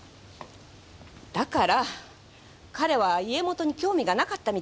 だから彼は家元に興味がなかったみたいだし。